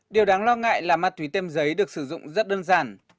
điều đáng lo ngại là ma túy tem giấy được sử dụng rất đơn giản